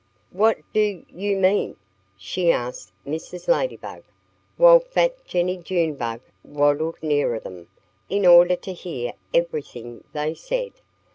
"What do you mean?" she asked Mrs. Ladybug, while fat Jennie Junebug waddled nearer them, in order to hear everything they said.